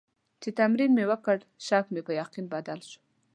چې تمرین مې وکړ، شک مې په یقین بدل شو.